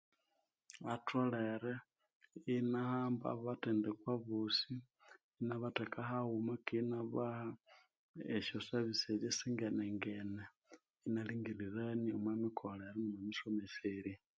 Batholere enahamba abathendekwa aboosi enabatheka hawuma Kandi enabaha esyosevisese esyongenengene enalhingiriranya omwamikolera nomwamisomeserya